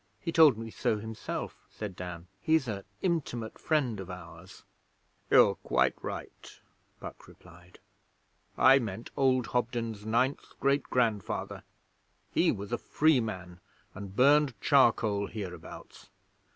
He told me so himself,' said Dan. 'He's a intimate friend of ours.' 'You're quite right,' Puck replied. 'I meant old Hobden's ninth great grandfather. He was a free man and burned charcoal hereabouts.